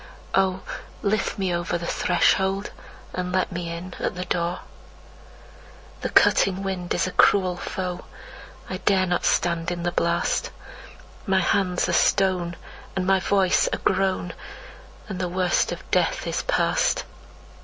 Oh, lift me over the threshold, and let me in at the door! The cutting wind is a cruel foe. I dare not stand in the blast. My hands are stone, and my voice a groan, And the worst of death is past.